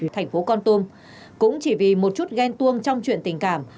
thành phố con tum cũng chỉ vì một chút ghen tuông trong chuyện tình cảm